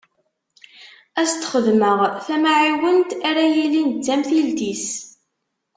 Ad s-d-xedmeɣ tamɛiwent ara yilin d tamtilt-is.